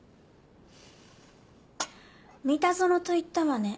三田園と言ったわね？